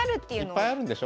いっぱいあるんでしょ？